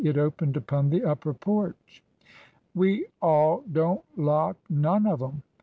It opened upon the upper porch. We all don't lock none of 'em.